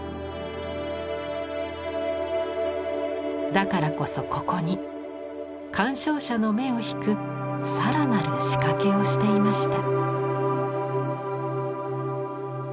だからこそここに鑑賞者の目を引く更なる仕掛けをしていました。